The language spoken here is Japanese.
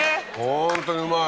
ホントにうまい。